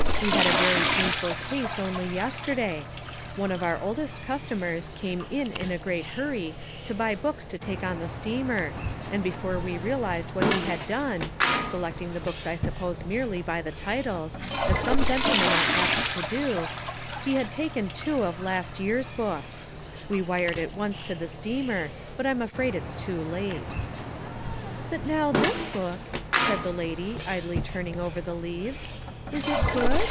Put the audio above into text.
We had a very painful case only yesterday. One of our oldest customers came in in a great hurry to buy books to take on the steamer, and before we realised what he had done selecting the books I suppose merely by the titles, as some gentlemen are apt to do he had taken two of last year's books. We wired at once to the steamer, but I'm afraid it's too late." "But now, this book," said the lady, idly turning over the leaves, "is it good?